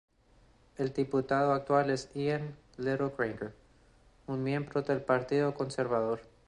El diputado actual es Ian Liddell-Grainger, un miembro del Partido Conservador.